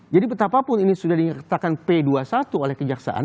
jadi betapapun ini sudah dinyatakan p dua puluh satu oleh kejaksaan